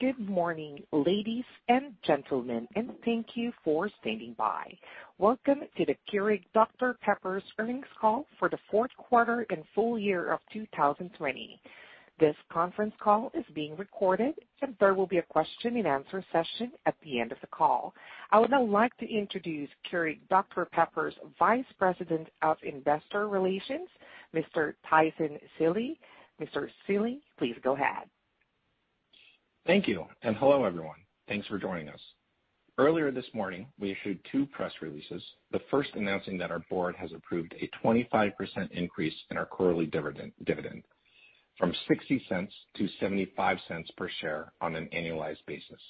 Good morning, ladies and gentlemen, thank you for standing by. Welcome to the Keurig Dr Pepper's earnings call for the fourth quarter and full year of 2020. This conference call is being recorded, and there will be a question-and-answer session at the end of the call. I would now like to introduce Keurig Dr Pepper's Vice President of Investor Relations, Mr. Tyson Seely. Mr. Seely, please go ahead. Thank you, and hello, everyone. Thanks for joining us. Earlier this morning, we issued two press releases. The first announcing that our board has approved a 25% increase in our quarterly dividend from $0.60-$0.75 per share on an annualized basis,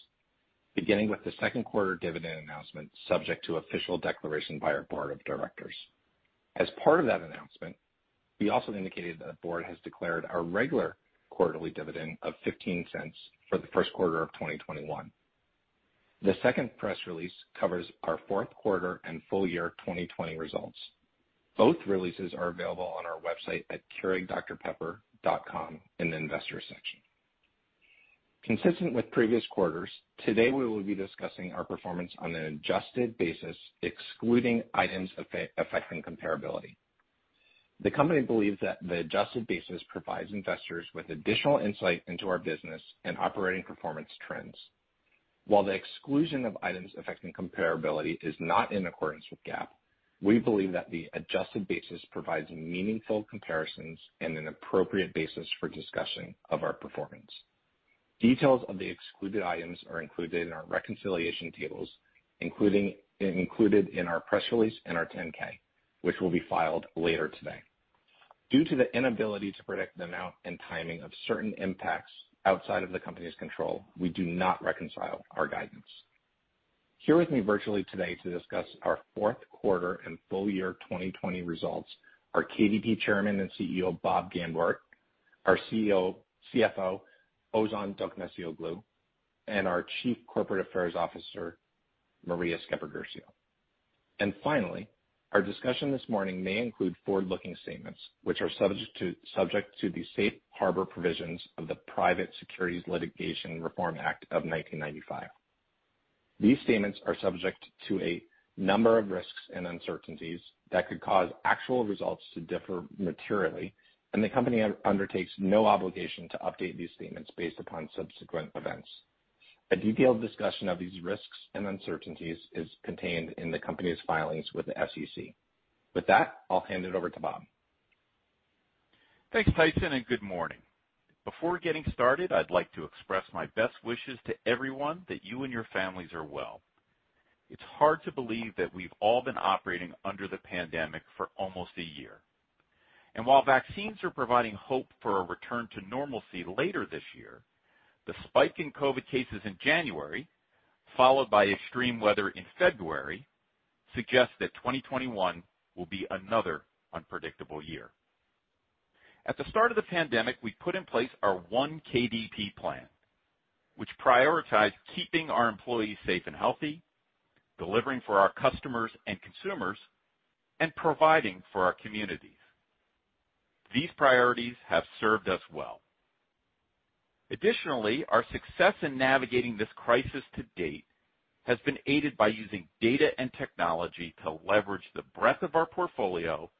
beginning with the second quarter dividend announcement, subject to official declaration by our board of directors. As part of that announcement, we also indicated that the board has declared our regular quarterly dividend of $0.15 for the first quarter of 2021. The second press release covers our fourth quarter and full year 2020 results. Both releases are available on our website at keurigdrpepper.com in the investor section. Consistent with previous quarters, today we will be discussing our performance on an adjusted basis, excluding items affecting comparability. The company believes that the adjusted basis provides investors with additional insight into our business and operating performance trends. While the exclusion of items affecting comparability is not in accordance with GAAP, we believe that the adjusted basis provides meaningful comparisons and an appropriate basis for discussion of our performance. Details of the excluded items are included in our reconciliation tables, included in our press release and our 10-K, which will be filed later today. Due to the inability to predict the amount and timing of certain impacts outside of the company's control, we do not reconcile our guidance. Here with me virtually today to discuss our fourth quarter and full year 2020 results are KDP Chairman and CEO, Bob Gamgort, our CFO, Ozan Dokmecioglu, and our Chief Corporate Affairs Officer, Maria Sceppaguercio. Finally, our discussion this morning may include forward-looking statements, which are subject to the safe harbor provisions of the Private Securities Litigation Reform Act of 1995. These statements are subject to a number of risks and uncertainties that could cause actual results to differ materially, and the company undertakes no obligation to update these statements based upon subsequent events. A detailed discussion of these risks and uncertainties is contained in the company's filings with the SEC. With that, I'll hand it over to Bob. Thanks, Tyson, good morning. Before getting started, I'd like to express my best wishes to everyone that you and your families are well. It's hard to believe that we've all been operating under the pandemic for almost a year. While vaccines are providing hope for a return to normalcy later this year, the spike in COVID cases in January, followed by extreme weather in February, suggests that 2021 will be another unpredictable year. At the start of the pandemic, we put in place our One KDP plan, which prioritized keeping our employees safe and healthy, delivering for our customers and consumers, and providing for our communities. These priorities have served us well. Additionally, our success in navigating this crisis to date has been aided by using data and technology to leverage the breadth of our portfolio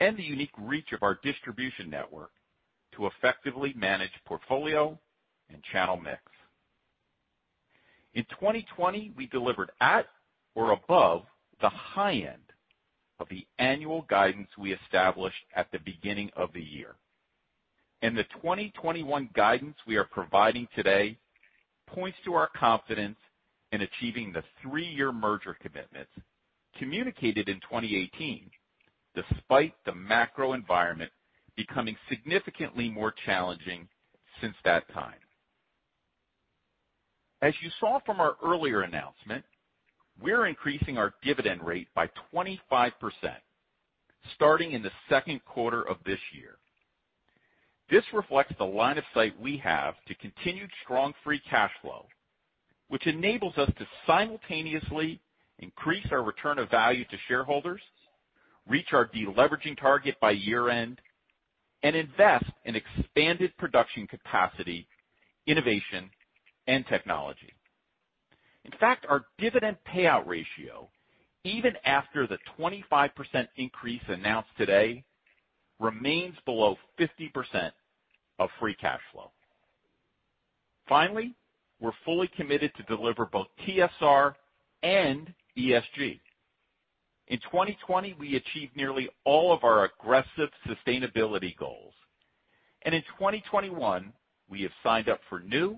and the unique reach of our distribution network to effectively manage portfolio and channel mix. In 2020, we delivered at or above the high end of the annual guidance we established at the beginning of the year. The 2021 guidance we are providing today points to our confidence in achieving the three-year merger commitments communicated in 2018, despite the macro environment becoming significantly more challenging since that time. As you saw from our earlier announcement, we're increasing our dividend rate by 25%, starting in the second quarter of this year. This reflects the line of sight we have to continued strong free cash flow, which enables us to simultaneously increase our return of value to shareholders, reach our deleveraging target by year end, and invest in expanded production capacity, innovation, and technology. In fact, our dividend payout ratio, even after the 25% increase announced today, remains below 50% of free cash flow. We're fully committed to deliver both TSR and ESG. In 2020, we achieved nearly all of our aggressive sustainability goals. In 2021, we have signed up for new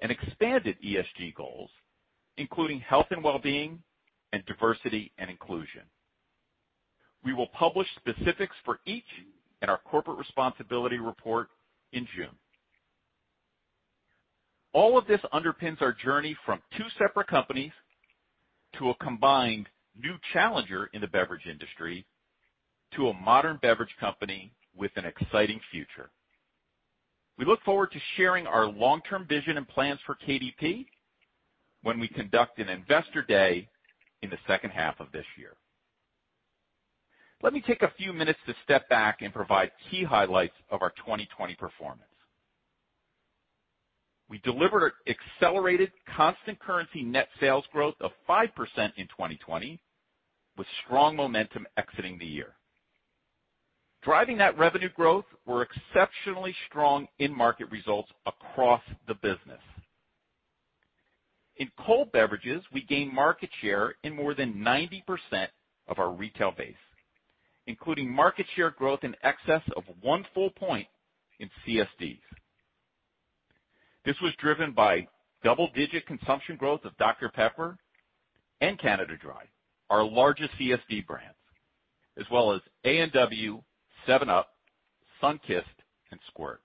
and expanded ESG goals, including health and wellbeing and diversity and inclusion. We will publish specifics for each in our corporate responsibility report in June. All of this underpins our journey from two separate companies to a combined new challenger in the beverage industry, to a modern beverage company with an exciting future. We look forward to sharing our long-term vision and plans for KDP when we conduct an investor day in the second half of this year. Let me take a few minutes to step back and provide key highlights of our 2020 performance. We delivered accelerated constant currency net sales growth of 5% in 2020, with strong momentum exiting the year. Driving that revenue growth were exceptionally strong in-market results across the business. In cold beverages, we gained market share in more than 90% of our retail base, including market share growth in excess of one full point in CSDs. This was driven by double-digit consumption growth of Dr Pepper and Canada Dry, our largest CSD brands, as well as A&W, 7UP, Sunkist and Squirt.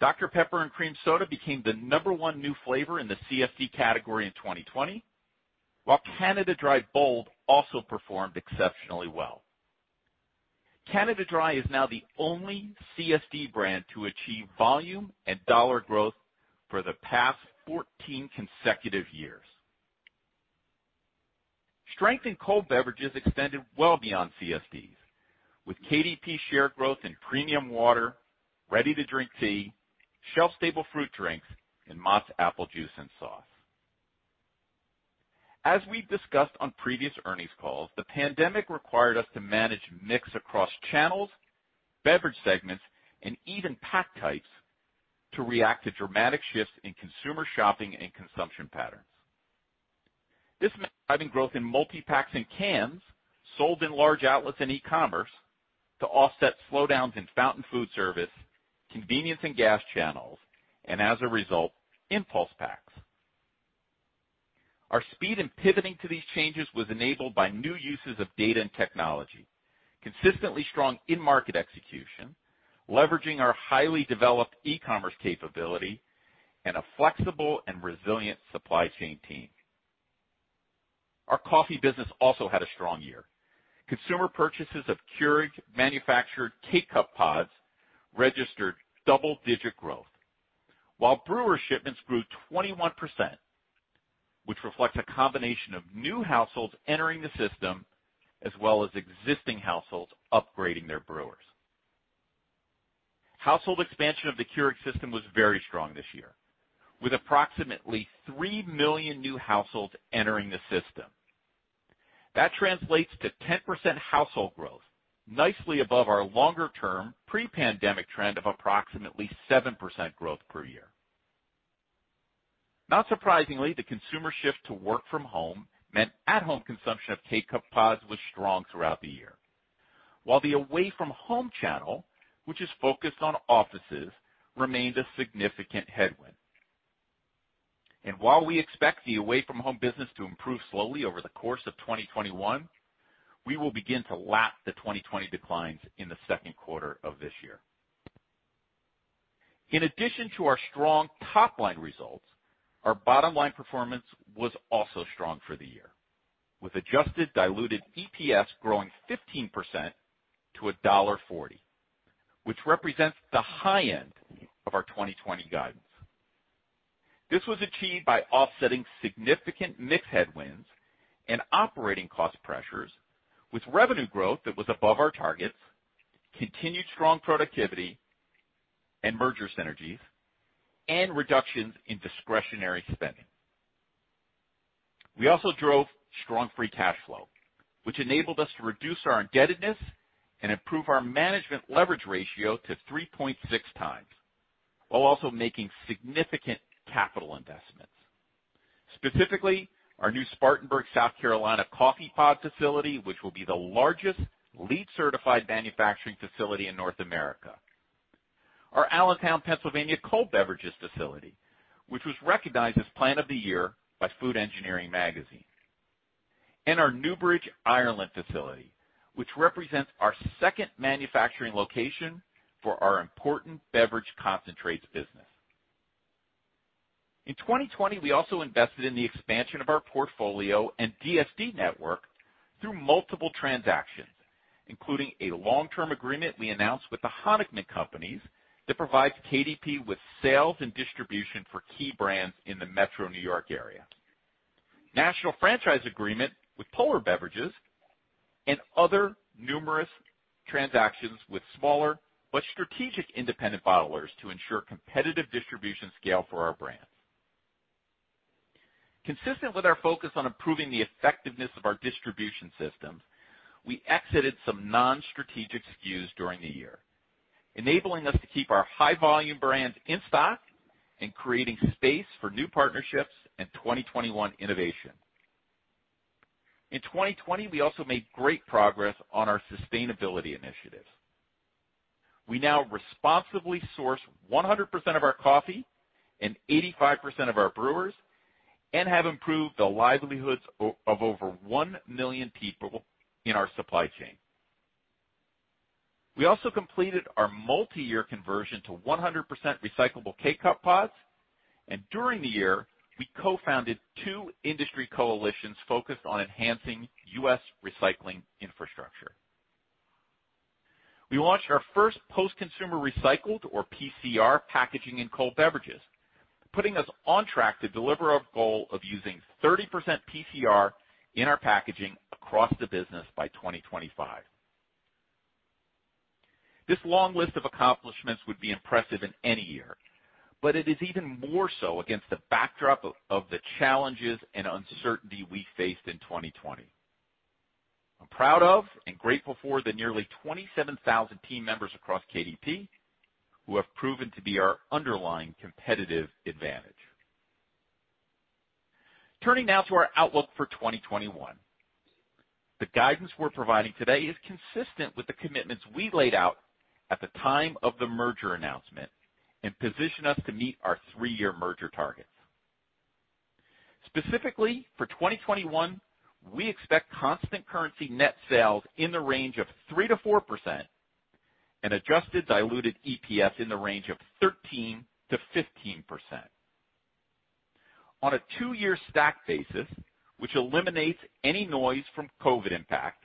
Dr Pepper & Cream Soda became the number one new flavor in the CSD category in 2020, while Canada Dry Bold also performed exceptionally well. Canada Dry is now the only CSD brand to achieve volume and dollar growth for the past 14 consecutive years. Strength in cold beverages extended well beyond CSDs, with KDP share growth in premium water, ready-to-drink tea, shelf-stable fruit drinks, and Mott's apple juice and sauce. As we've discussed on previous earnings calls, the pandemic required us to manage mix across channels, beverage segments, and even pack types to react to dramatic shifts in consumer shopping and consumption patterns. This meant driving growth in multi-packs and cans sold in large outlets and e-commerce to offset slowdowns in fountain food service, convenience and gas channels, and as a result, impulse packs. Our speed in pivoting to these changes was enabled by new uses of data and technology, consistently strong in-market execution, leveraging our highly developed e-commerce capability, and a flexible and resilient supply chain team. Our coffee business also had a strong year. Consumer purchases of Keurig manufactured K-Cup pods registered double-digit growth, while brewer shipments grew 21%, which reflects a combination of new households entering the system, as well as existing households upgrading their brewers. Household expansion of the Keurig system was very strong this year, with approximately 3 million new households entering the system. That translates to 10% household growth, nicely above our longer-term pre-pandemic trend of approximately 7% growth per year. Not surprisingly, the consumer shift to work from home meant at-home consumption of K-Cup pods was strong throughout the year, while the away-from-home channel, which is focused on offices, remained a significant headwind. While we expect the away-from-home business to improve slowly over the course of 2021, we will begin to lap the 2020 declines in the second quarter of this year. In addition to our strong top-line results, our bottom-line performance was also strong for the year, with adjusted diluted EPS growing 15% to $1.40, which represents the high end of our 2020 guidance. This was achieved by offsetting significant mix headwinds and operating cost pressures with revenue growth that was above our targets, continued strong productivity and merger synergies, and reductions in discretionary spending. We also drove strong free cash flow, which enabled us to reduce our indebtedness and improve our management leverage ratio to 3.6x, while also making significant capital investments. Specifically, our new Spartanburg, South Carolina, coffee pod facility, which will be the largest LEED-certified manufacturing facility in North America. Our Allentown, Pennsylvania, cold beverages facility, which was recognized as Plant of the Year by Food Engineering magazine. Our Newbridge, Ireland, facility, which represents our second manufacturing location for our important beverage concentrates business. In 2020, we also invested in the expansion of our portfolio and DSD network through multiple transactions, including a long-term agreement we announced with The Honickman Companies that provides KDP with sales and distribution for key brands in the metro New York area, national franchise agreement with Polar Beverages, and other numerous transactions with smaller but strategic independent bottlers to ensure competitive distribution scale for our brands. Consistent with our focus on improving the effectiveness of our distribution systems, we exited some non-strategic SKUs during the year, enabling us to keep our high-volume brands in stock and creating space for new partnerships and 2021 innovation. In 2020, we also made great progress on our sustainability initiatives. We now responsibly source 100% of our coffee and 85% of our brewers and have improved the livelihoods of over 1 million people in our supply chain. We also completed our multi-year conversion to 100% recyclable K-Cup pods, and during the year, we co-founded two industry coalitions focused on enhancing U.S. recycling infrastructure. We launched our first post-consumer recycled, or PCR, packaging in cold beverages, putting us on track to deliver our goal of using 30% PCR in our packaging across the business by 2025. This long list of accomplishments would be impressive in any year, but it is even more so against the backdrop of the challenges and uncertainty we faced in 2020. I'm proud of and grateful for the nearly 27,000 team members across KDP, who have proven to be our underlying competitive advantage. Turning now to our outlook for 2021. The guidance we're providing today is consistent with the commitments we laid out at the time of the merger announcement and position us to meet our three-year merger targets. Specifically, for 2021, we expect constant currency net sales in the range of 3%-4% and adjusted diluted EPS in the range of 13%-15%. On a two-year stack basis, which eliminates any noise from COVID impact,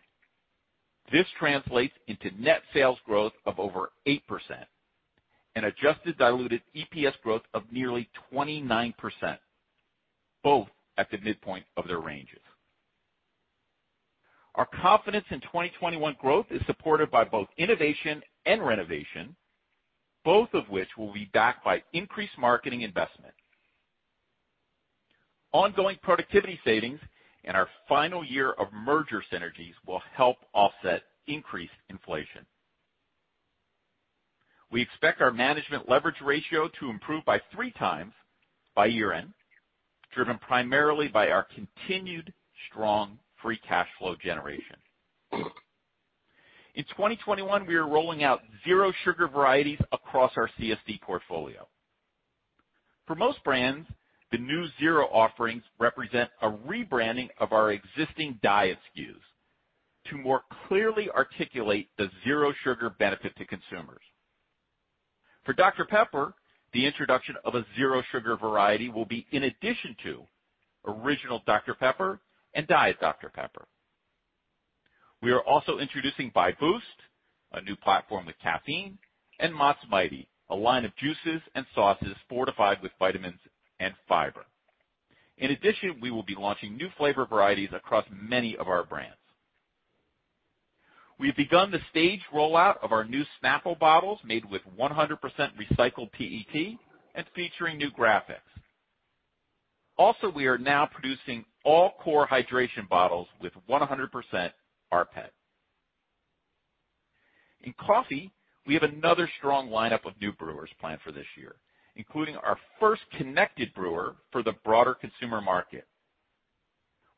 this translates into net sales growth of over 8% and adjusted diluted EPS growth of nearly 29%, both at the midpoint of their ranges. Our confidence in 2021 growth is supported by both innovation and renovation, both of which will be backed by increased marketing investment. Ongoing productivity savings and our final year of merger synergies will help offset increased inflation. We expect our management leverage ratio to improve by 3x by year-end, driven primarily by our continued strong free cash flow generation. In 2021, we are rolling out zero sugar varieties across our CSD portfolio. For most brands, the new zero offerings represent a rebranding of our existing diet SKUs to more clearly articulate the zero-sugar benefit to consumers. For Dr Pepper, the introduction of a zero sugar variety will be in addition to original Dr Pepper and Diet Dr Pepper. We are also introducing Bai Boost, a new platform with caffeine, and Mott's Mighty, a line of juices and sauces fortified with vitamins and fiber. In addition, we will be launching new flavor varieties across many of our brands. We've begun the staged rollout of our new Snapple bottles, made with 100% recycled PET and featuring new graphics. Also, we are now producing all CORE Hydration bottles with 100% rPET. In coffee, we have another strong lineup of new brewers planned for this year, including our first connected brewer for the broader consumer market.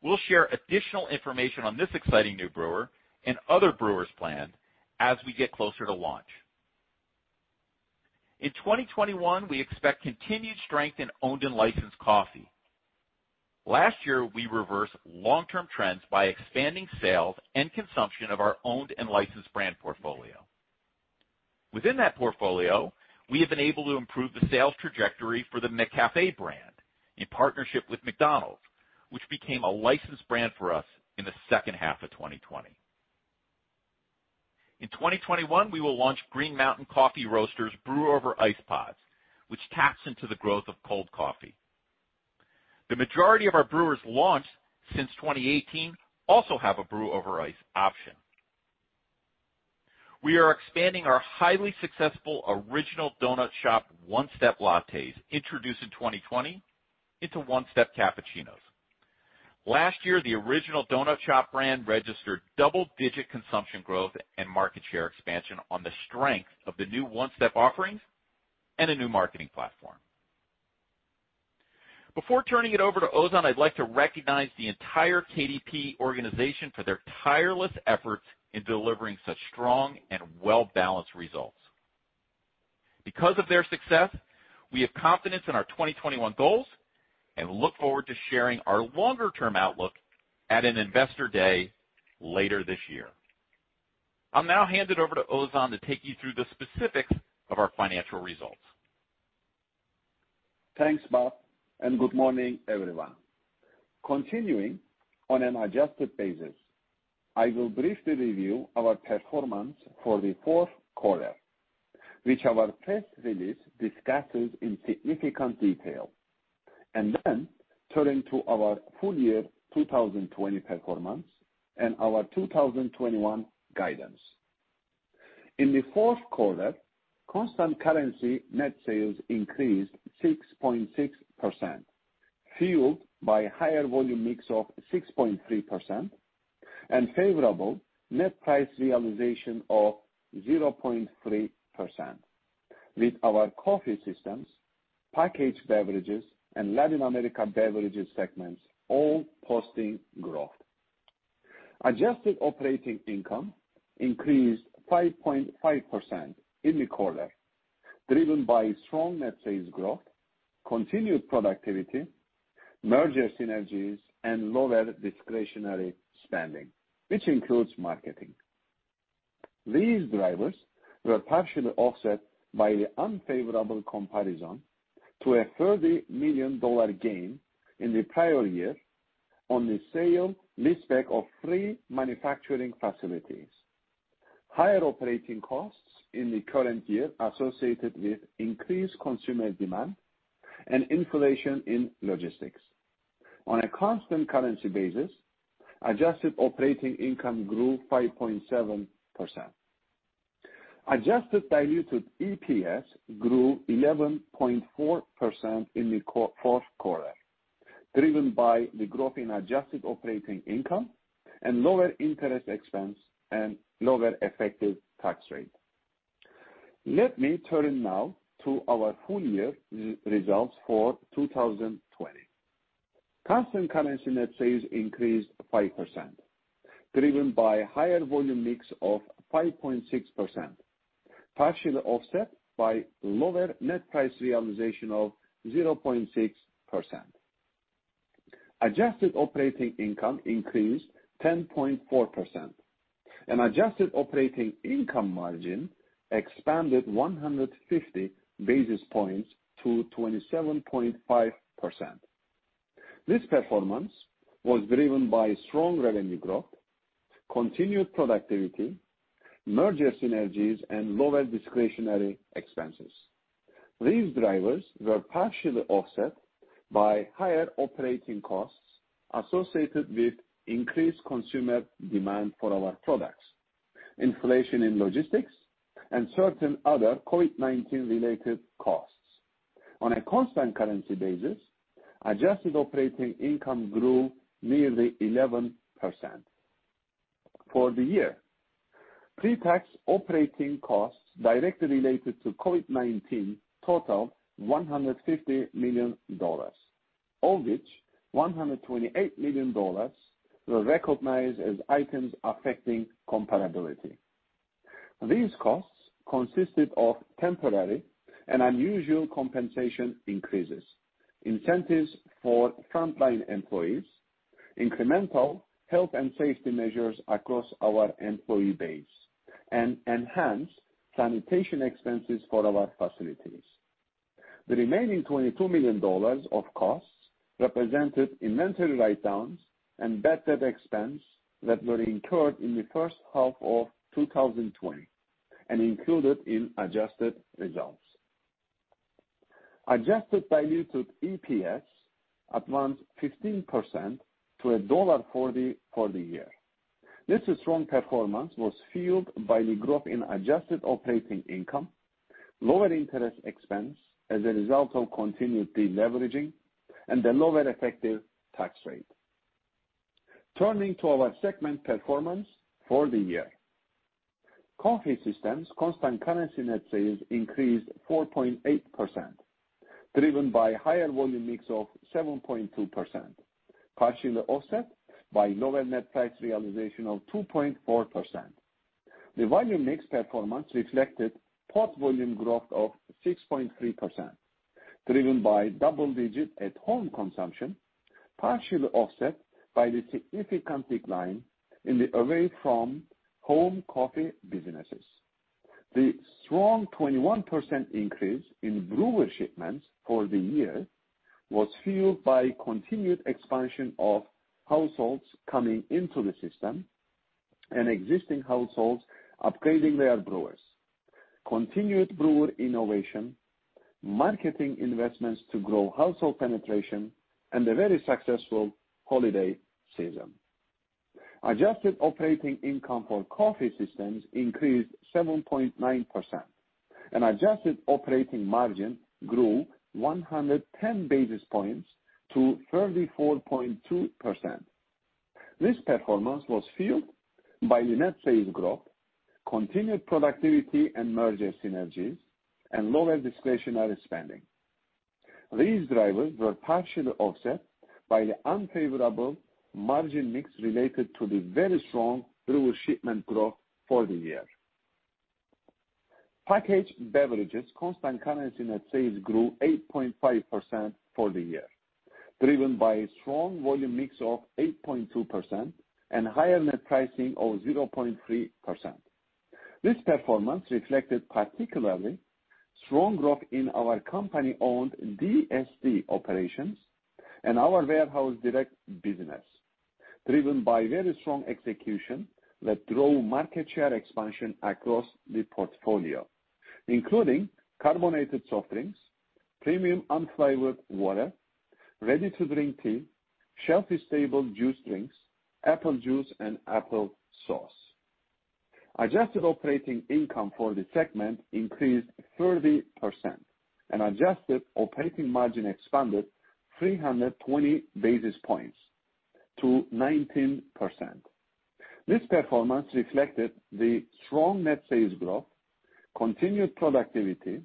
We'll share additional information on this exciting new brewer and other brewers planned as we get closer to launch. In 2021, we expect continued strength in owned and licensed coffee. Last year, we reversed long-term trends by expanding sales and consumption of our owned and licensed brand portfolio. Within that portfolio, we have been able to improve the sales trajectory for the McCafé brand in partnership with McDonald's, which became a licensed brand for us in the second half of 2020. In 2021, we will launch Green Mountain Coffee Roasters Brew Over Ice pods, which taps into the growth of cold coffee. The majority of our brewers launched since 2018 also have a brew over ice option. We are expanding our highly successful The Original Donut Shop One Step lattes, introduced in 2020, into One Step cappuccinos. Last year, The Original Donut Shop brand registered double-digit consumption growth and market share expansion on the strength of the new One Step Latte offerings and a new marketing platform. Before turning it over to Ozan, I'd like to recognize the entire KDP organization for their tireless efforts in delivering such strong and well-balanced results. Because of their success, we have confidence in our 2021 goals and look forward to sharing our longer-term outlook at an investor day later this year. I'll now hand it over to Ozan to take you through the specifics of our financial results. Thanks, Bob, and good morning, everyone. Continuing on an adjusted basis, I will briefly review our performance for the fourth quarter, which our press release discusses in significant detail, and then turn to our full year 2020 performance and our 2021 guidance. In the fourth quarter, constant currency net sales increased 6.6%, fueled by a higher volume mix of 6.3% and favorable net price realization of 0.3%, with our coffee systems, packaged beverages, and Latin America beverages segments all posting growth. Adjusted operating income increased 5.5% in the quarter, driven by strong net sales growth, continued productivity, merger synergies, and lower discretionary spending, which includes marketing. These drivers were partially offset by the unfavorable comparison to a $30 million gain in the prior year on the sale leaseback of three manufacturing facilities, higher operating costs in the current year associated with increased consumer demand and inflation in logistics. On a constant currency basis, adjusted operating income grew 5.7%. Adjusted diluted EPS grew 11.4% in the fourth quarter, driven by the growth in adjusted operating income and lower interest expense and lower effective tax rate. Let me turn now to our full-year results for 2020. Constant currency net sales increased 5%, driven by higher volume mix of 5.6%, partially offset by lower net price realization of 0.6%. Adjusted operating income increased 10.4%, adjusted operating income margin expanded 150 basis points to 27.5%. This performance was driven by strong revenue growth, continued productivity, merger synergies, and lower discretionary expenses. These drivers were partially offset by higher operating costs associated with increased consumer demand for our products, inflation in logistics, and certain other COVID-19 related costs. On a constant currency basis, adjusted operating income grew nearly 11%. For the year, pre-tax operating costs directly related to COVID-19 total $150 million, of which $128 million were recognized as items affecting comparability. These costs consisted of temporary and unusual compensation increases, incentives for frontline employees, incremental health and safety measures across our employee base, and enhanced sanitation expenses for our facilities. The remaining $22 million of costs represented inventory write-downs and bad debt expense that were incurred in the first half of 2020 and included in adjusted results. Adjusted diluted EPS advanced 15% to $1 for the year. This strong performance was fueled by the growth in adjusted operating income, lower interest expense as a result of continued deleveraging, and the lower effective tax rate. Turning to our segment performance for the year. Coffee systems constant currency net sales increased 4.8%, driven by higher volume mix of 7.2%, partially offset by lower net price realization of 2.4%. The volume mix performance reflected pod volume growth of 6.3%, driven by double-digit at-home consumption, partially offset by the significant decline in the away-from-home coffee businesses. The strong 21% increase in brewer shipments for the year was fueled by continued expansion of households coming into the system and existing households upgrading their brewers, continued brewer innovation, marketing investments to grow household penetration, and a very successful holiday season. Adjusted operating income for coffee systems increased 7.9%, and adjusted operating margin grew 110 basis points to 34.2%. This performance was fueled by the net sales growth, continued productivity and merger synergies, and lower discretionary spending. These drivers were partially offset by the unfavorable margin mix related to the very strong brewer shipment growth for the year. Packaged beverages constant currency net sales grew 8.5% for the year, driven by strong volume mix of 8.2% and higher net pricing of 0.3%. This performance reflected particularly strong growth in our company-owned DSD operations and our warehouse direct business, driven by very strong execution that drove market share expansion across the portfolio, including carbonated soft drinks, premium unflavored water, ready-to-drink tea, shelf-stable juice drinks, apple juice, and apple sauce. Adjusted operating income for the segment increased 30%, and adjusted operating margin expanded 320 basis points to 19%. This performance reflected the strong net sales growth, continued productivity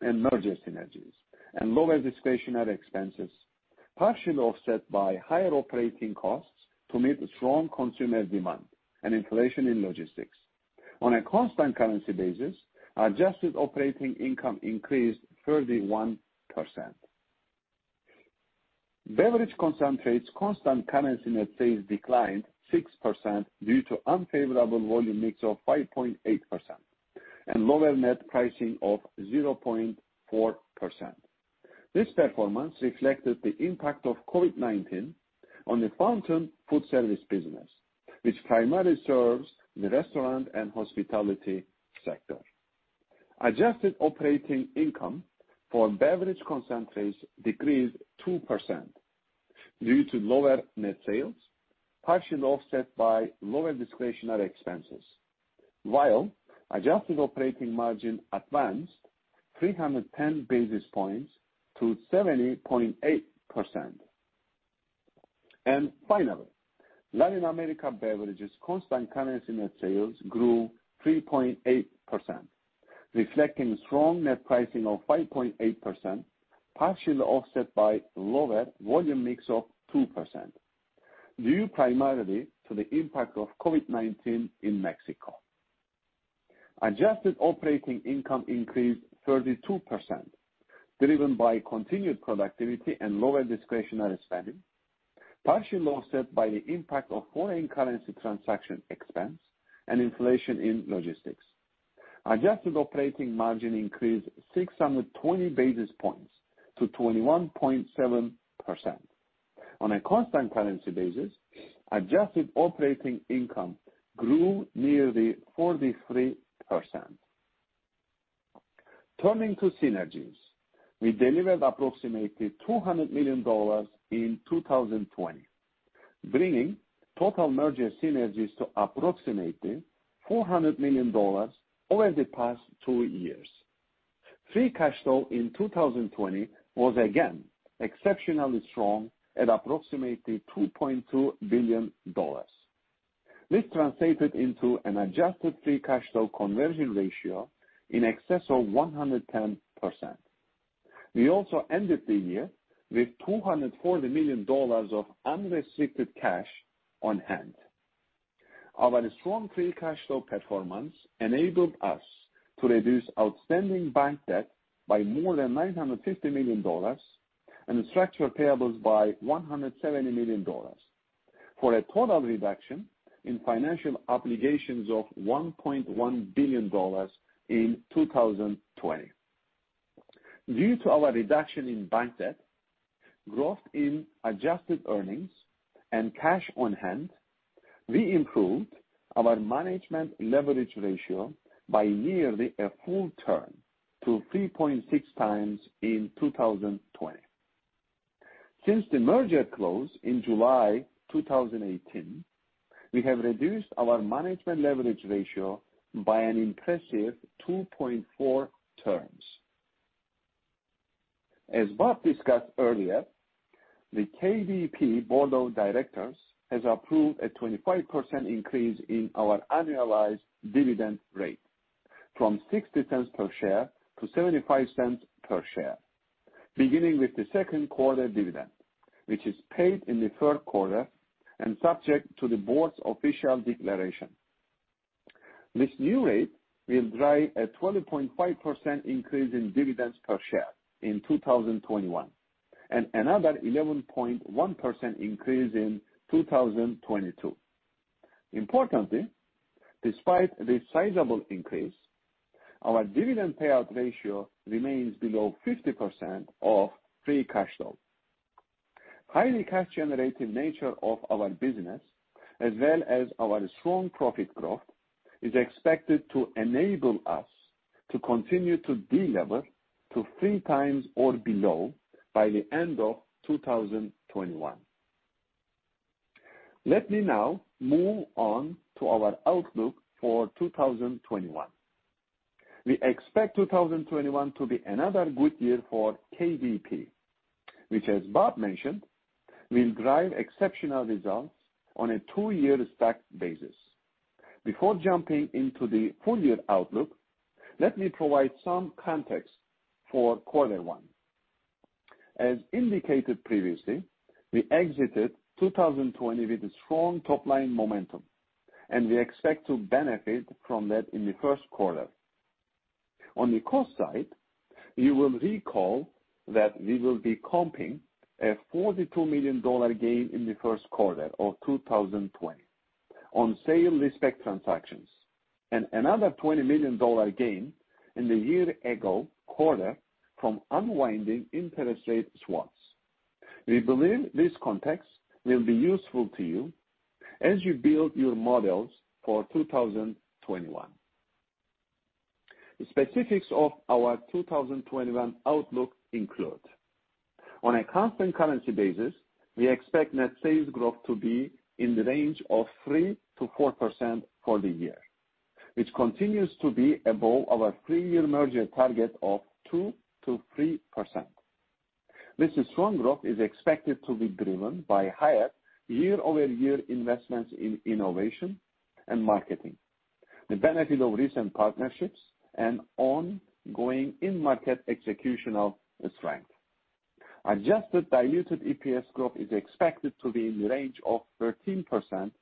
and merger synergies, and lower discretionary expenses, partially offset by higher operating costs to meet strong consumer demand and inflation in logistics. On a constant currency basis, adjusted operating income increased 31%. Beverage concentrates constant currency net sales declined 6% due to unfavorable volume mix of 5.8% and lower net pricing of 0.4%. This performance reflected the impact of COVID-19 on the Fountain Foodservice business, which primarily serves the restaurant and hospitality sector. Adjusted operating income for beverage concentrates decreased 2% due to lower net sales, partially offset by lower discretionary expenses. While adjusted operating margin advanced 310 basis points to 70.8%. Finally, Latin America Beverages constant currency net sales grew 3.8%, reflecting strong net pricing of 5.8%, partially offset by lower volume mix of 2%, due primarily to the impact of COVID-19 in Mexico. Adjusted operating income increased 32%, driven by continued productivity and lower discretionary spending, partially offset by the impact of foreign currency transaction expense and inflation in logistics. Adjusted operating margin increased 620 basis points to 21.7%. On a constant currency basis, adjusted operating income grew nearly 43%. Turning to synergies, we delivered approximately $200 million in 2020, bringing total merger synergies to approximately $400 million over the past two years. Free cash flow in 2020 was again exceptionally strong at approximately $2.2 billion. This translated into an adjusted free cash flow conversion ratio in excess of 110%. We also ended the year with $240 million of unrestricted cash on hand. Our strong free cash flow performance enabled us to reduce outstanding bank debt by more than $950 million, and structured payables by $170 million, for a total reduction in financial obligations of $1.1 billion in 2020. Due to our reduction in bank debt, growth in adjusted earnings and cash on hand, we improved our management leverage ratio by nearly a full term to 3.6x in 2020. Since the merger close in July 2018, we have reduced our management leverage ratio by an impressive 2.4 turns. As Bob discussed earlier, the KDP Board of Directors has approved a 25% increase in our annualized dividend rate from $0.60-$0.75 per share, beginning with the second quarter dividend, which is paid in the third quarter and subject to the board's official declaration. This new rate will drive a 12.5% increase in dividends per share in 2021. Another 11.1% increase in 2022. Importantly, despite this sizable increase, our dividend payout ratio remains below 50% of free cash flow. Highly cash-generating nature of our business, as well as our strong profit growth, is expected to enable us to continue to de-lever to 3x or below by the end of 2021. Let me now move on to our outlook for 2021. We expect 2021 to be another good year for KDP, which, as Bob mentioned, will drive exceptional results on a two-year stacked basis. Before jumping into the full-year outlook, let me provide some context for Q1. As indicated previously, we exited 2020 with a strong top-line momentum, and we expect to benefit from that in the Q1. On the cost side, you will recall that we will be comping a $42 million gain in the Q1 2020 on sale leaseback transactions, and another $20 million gain in the year ago quarter from unwinding interest rate swaps. We believe this context will be useful to you as you build your models for 2021. The specifics of our 2021 outlook include: On a constant currency basis, we expect net sales growth to be in the range of 3%-4% for the year, which continues to be above our three-year merger target of 2%-3%. This strong growth is expected to be driven by higher year-over-year investments in innovation and marketing, the benefit of recent partnerships, and ongoing in-market execution of the strength. Adjusted diluted EPS growth is expected to be in the range of 13%-15%,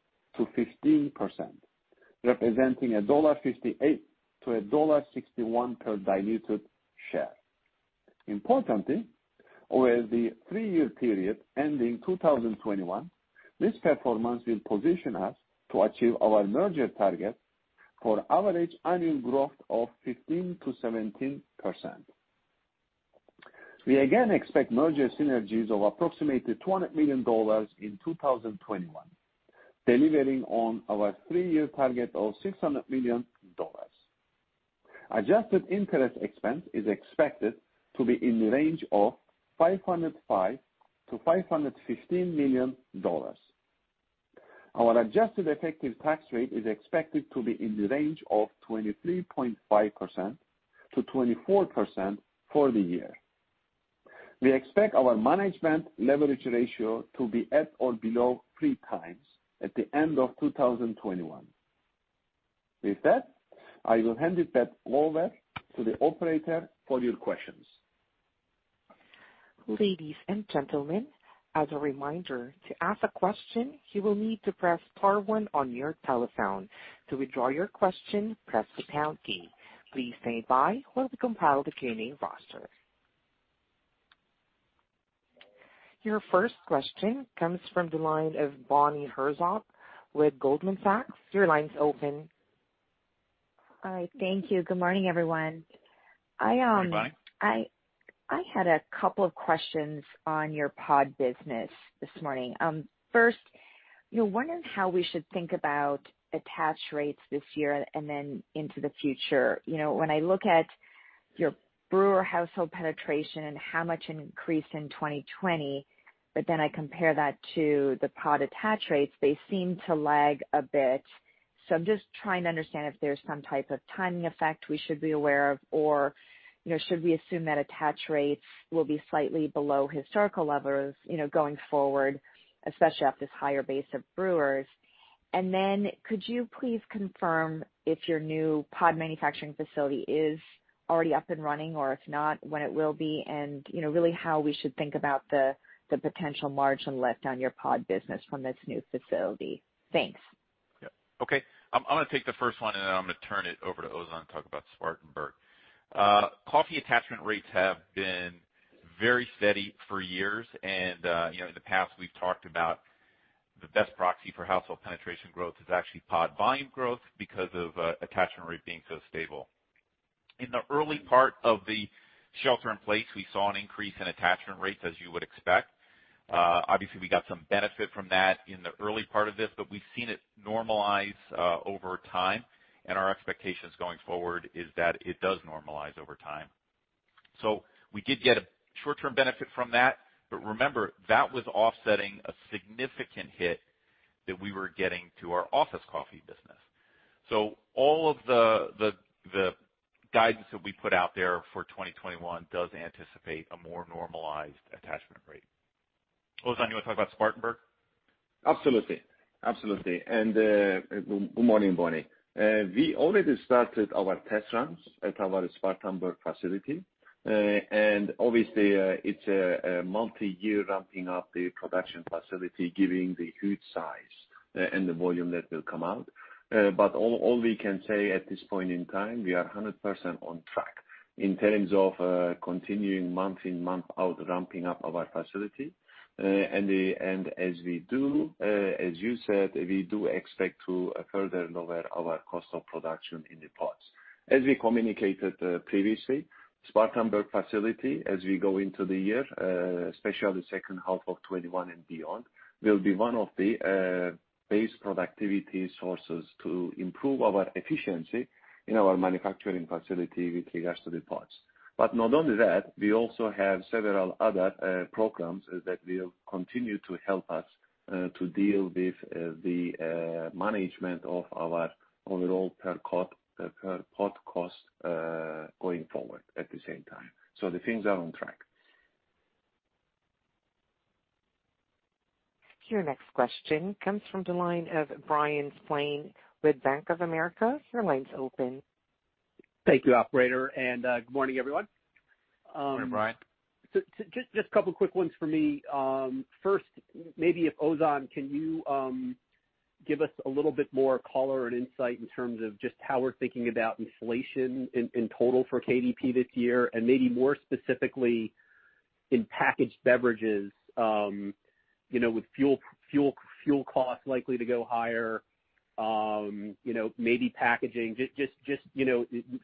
representing $1.58-$1.61 per diluted share. Importantly, over the three-year period ending 2021, this performance will position us to achieve our merger target for average annual growth of 15%-17%. We again expect merger synergies of approximately $200 million in 2021, delivering on our three-year target of $600 million. Adjusted interest expense is expected to be in the range of $505 million-$515 million. Our adjusted effective tax rate is expected to be in the range of 23.5%-24% for the year. We expect our management leverage ratio to be at or below 3x at the end of 2021. With that, I will hand it back over to the operator for your questions. Ladies and gentlemen, as a reminder, to ask a question, you will need to press star one on your telephone. To withdraw your question, press the pound key. Please stand by while we compile the queuing roster. Your first question comes from the line of Bonnie Herzog with Goldman Sachs. Your line's open. All right. Thank you. Good morning, everyone. Good morning. I had a couple of questions on your pod business this morning. First, wondering how we should think about attach rates this year and then into the future. When I look at your brewer household penetration and how much it increased in 2020, but then I compare that to the pod attach rates, they seem to lag a bit. I'm just trying to understand if there's some type of timing effect we should be aware of, or should we assume that attach rates will be slightly below historical levels going forward, especially off this higher base of brewers. Could you please confirm if your new pod manufacturing facility is already up and running, or if not, when it will be, and really how we should think about the potential margin lift on your pod business from this new facility? Thanks. Yeah. Okay. I'm gonna take the first one, and then I'm gonna turn it over to Ozan to talk about Spartanburg. Coffee attachment rates have been very steady for years. In the past, we've talked about the best proxy for household penetration growth is actually pod volume growth because of attachment rate being so stable. In the early part of the shelter in place, we saw an increase in attachment rates, as you would expect. Obviously, we got some benefit from that in the early part of this, we've seen it normalize over time. Our expectations going forward is that it does normalize over time. We did get a short-term benefit from that. Remember, that was offsetting a significant hit that we were getting to our office coffee business. All of the guidance that we put out there for 2021 does anticipate a more normalized attachment rate. Ozan, you want to talk about Spartanburg? Absolutely. Good morning, Bonnie. We already started our test runs at our Spartanburg facility. Obviously, it's a multi-year ramping up the production facility, giving the huge size and the volume that will come out. All we can say at this point in time, we are 100% on track in terms of continuing month-in, month-out ramping up our facility. As we do, as you said, we do expect to further lower our cost of production in the pods. As we communicated previously, Spartanburg facility, as we go into the year, especially second half of 2021 and beyond, will be one of the base productivity sources to improve our efficiency in our manufacturing facility with regards to the pods. Not only that, we also have several other programs that will continue to help us, to deal with the management of our overall per pod cost going forward at the same time. The things are on track. Your next question comes from the line of Bryan Spillane with Bank of America. Your line's open. Thank you, operator, and good morning, everyone. Morning, Bryan. Just couple quick ones for me. First, maybe if Ozan, can you give us a little bit more color and insight in terms of just how we're thinking about inflation in total for KDP this year, and maybe more specifically in packaged beverages, with fuel costs likely to go higher, maybe packaging, just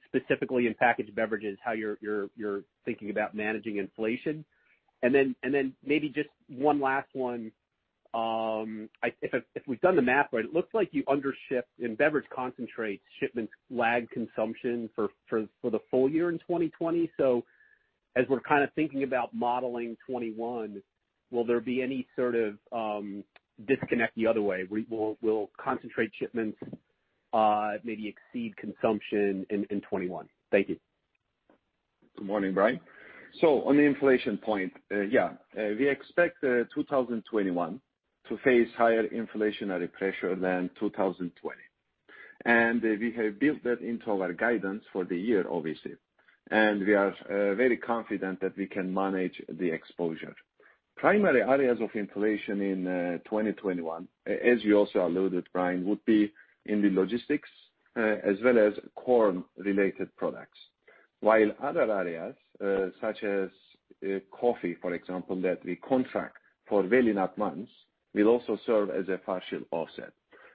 specifically in packaged beverages, how you're thinking about managing inflation. Then maybe just one last one. If we've done the math right, it looks like you undershipped in beverage concentrates, shipments lagged consumption for the full year in 2020. As we're kind of thinking about modeling 2021, will there be any sort of disconnect the other way? Will concentrate shipments maybe exceed consumption in 2021? Thank you. Good morning, Bryan. On the inflation point, yeah. We expect 2021 to face higher inflationary pressure than 2020. We have built that into our guidance for the year, obviously. We are very confident that we can manage the exposure. Primary areas of inflation in 2021, as you also alluded, Bryan, would be in the logistics, as well as corn-related products. While other areas, such as coffee, for example, that we contract for well in advance, will also serve as a partial offset.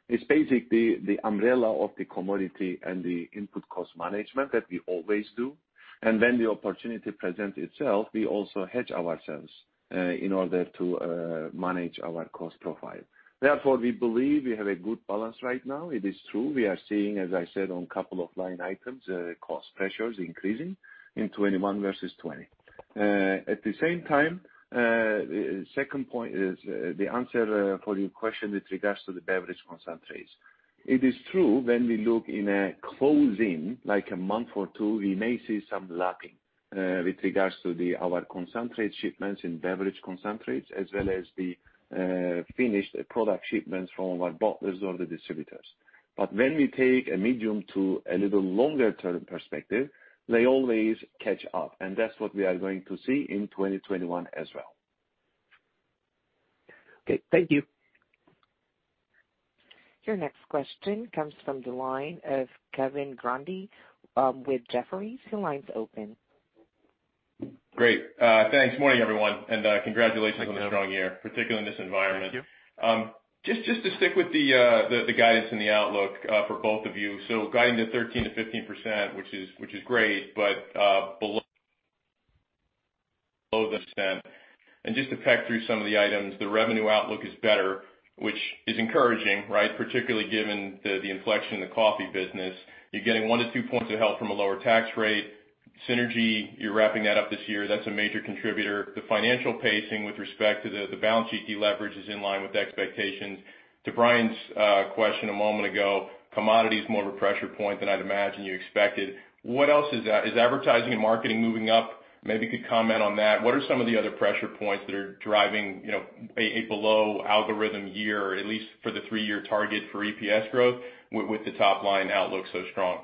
It's basically the umbrella of the commodity and the input cost management that we always do. When the opportunity presents itself, we also hedge ourselves in order to manage our cost profile. Therefore, we believe we have a good balance right now. It is true, we are seeing, as I said, on a couple of line items, cost pressures increasing in 2021 versus 2020. At the same time, the second point is the answer for your question with regards to the beverage concentrates. It is true when we look in a close-in, like a month or two, we may see some lagging with regards to our concentrate shipments and beverage concentrates, as well as the finished product shipments from our bottlers or the distributors. When we take a medium to a little longer-term perspective, they always catch up, and that's what we are going to see in 2021 as well. Okay, thank you. Your next question comes from the line of Kevin Grundy with Jefferies. Your line's open. Great. Thanks. Morning, everyone, and congratulations. Good morning. On a strong year, particularly in this environment. Thank you. Just to stick with the guidance and the outlook for both of you. Guiding to 13%-15%, which is great, but below. Just to peck through some of the items, the revenue outlook is better, which is encouraging, right? Particularly given the inflection in the coffee business. You're getting 1-2 points of help from a lower tax rate. Synergy, you're wrapping that up this year. That's a major contributor. The financial pacing with respect to the balance sheet deleverage is in line with expectations. Bryan's question a moment ago, commodities more of a pressure point than I'd imagine you expected. What else is that? Is advertising and marketing moving up? Maybe you could comment on that. What are some of the other pressure points that are driving a below algorithm year, at least for the three-year target for EPS growth, with the top-line outlook so strong?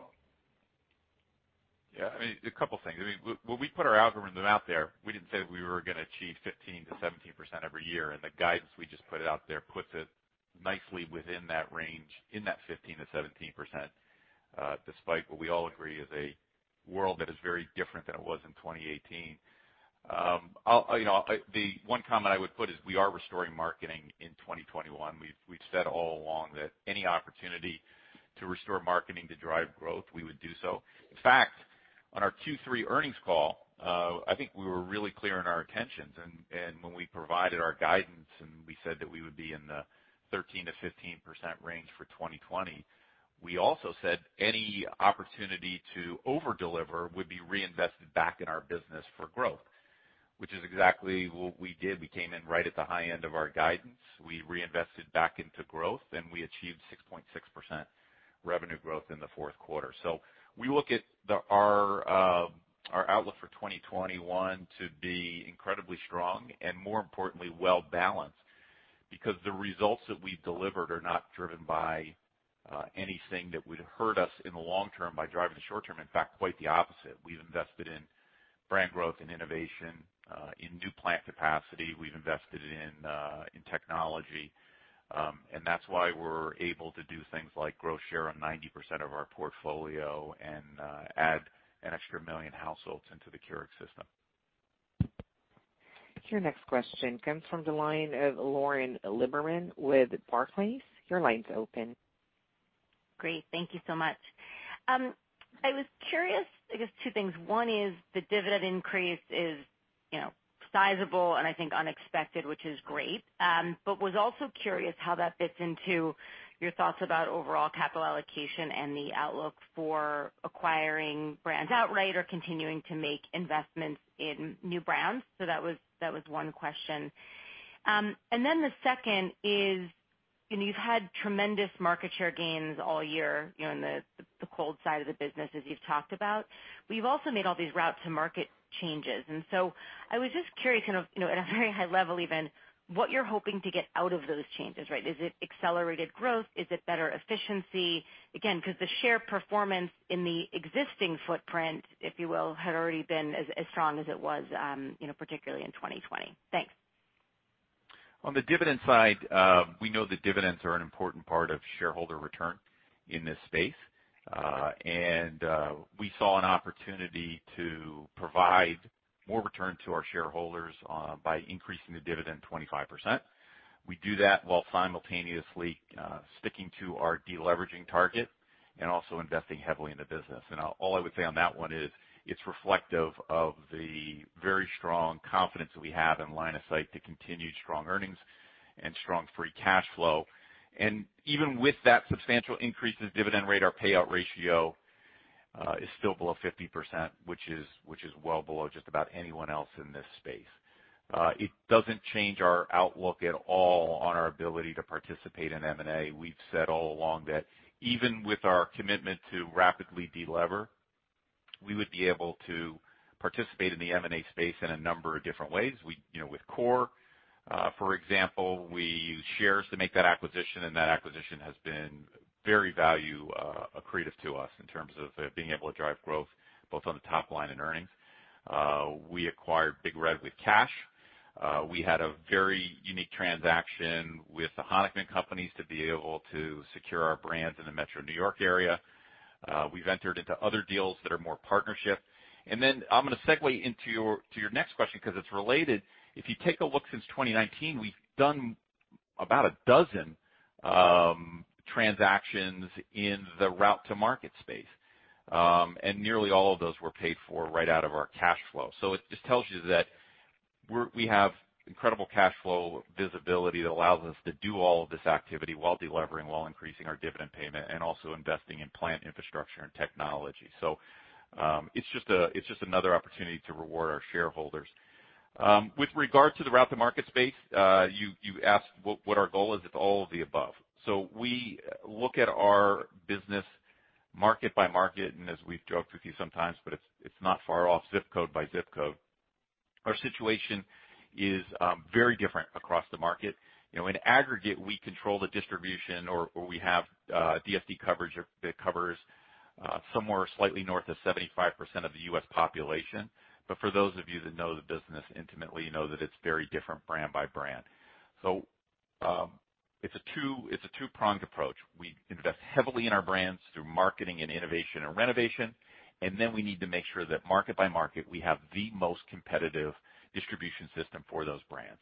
A couple of things. When we put our algorithms out there, we didn't say that we were going to achieve 15%-17% every year, and the guidance we just put it out there puts it nicely within that range, in that 15%-17%, despite what we all agree is a world that is very different than it was in 2018. The one comment I would put is we are restoring marketing in 2021. We've said all along that any opportunity to restore marketing to drive growth, we would do so. In fact, on our Q3 earnings call, I think we were really clear in our intentions and when we provided our guidance, and we said that we would be in the 13%-15% range for 2020. We also said any opportunity to over-deliver would be reinvested back in our business for growth, which is exactly what we did. We came in right at the high end of our guidance. We reinvested back into growth. We achieved 6.6% revenue growth in the fourth quarter. We look at our outlook for 2021 to be incredibly strong and, more importantly, well-balanced because the results that we've delivered are not driven by anything that would hurt us in the long term by driving the short term. In fact, quite the opposite. We've invested in brand growth and innovation, in new plant capacity. We've invested in technology. That's why we're able to do things like grow share on 90% of our portfolio and add an extra million households into the Keurig system. Your next question comes from the line of Lauren Lieberman with Barclays. Your line's open. Great. Thank you so much. I was curious, I guess two things. One is the dividend increase is sizable and I think unexpected, which is great. I was also curious how that fits into your thoughts about overall capital allocation and the outlook for acquiring brands outright or continuing to make investments in new brands. That was one question. The second is, you've had tremendous market share gains all year in the cold side of the business as you've talked about, but you've also made all these route-to-market changes. I was just curious, at a very high level even, what you're hoping to get out of those changes, right? Is it accelerated growth? Is it better efficiency? Again, because the share performance in the existing footprint, if you will, had already been as strong as it was particularly in 2020. Thanks. On the dividend side, we know that dividends are an important part of shareholder return in this space. We saw an opportunity to provide more return to our shareholders by increasing the dividend 25%. We do that while simultaneously sticking to our deleveraging target and also investing heavily in the business. All I would say on that one is it's reflective of the very strong confidence that we have in line of sight to continued strong earnings and strong free cash flow. Even with that substantial increase in dividend rate, our payout ratio is still below 50%, which is well below just about anyone else in this space. It doesn't change our outlook at all on our ability to participate in M&A. We've said all along that even with our commitment to rapidly de-lever, we would be able to participate in the M&A space in a number of different ways. With Core, for example, we used shares to make that acquisition, and that acquisition has been very value accretive to us in terms of being able to drive growth both on the top line and earnings. We acquired Big Red with cash. We had a very unique transaction with The Honickman Companies to be able to secure our brands in the metro New York area. We've entered into other deals that are more partnership. Then I'm going to segue into your next question because it's related. If you take a look since 2019, we've done about 12 transactions in the route to market space. Nearly all of those were paid for right out of our cash flow. It just tells you that we have incredible cash flow visibility that allows us to do all of this activity while de-levering, while increasing our dividend payment, and also investing in plant infrastructure and technology. It's just another opportunity to reward our shareholders. With regard to the route to market space, you asked what our goal is. It's all of the above. We look at our business market by market, and as we've joked with you sometimes, but it's not far off, ZIP code by ZIP code. Our situation is very different across the market. In aggregate, we control the distribution, or we have DSD coverage that covers somewhere slightly north of 75% of the U.S. population. For those of you that know the business intimately, you know that it's very different brand by brand. It's a two-pronged approach. We invest heavily in our brands through marketing and innovation and renovation, and then we need to make sure that market by market, we have the most competitive distribution system for those brands.